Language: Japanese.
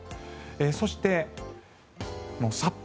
そして、札幌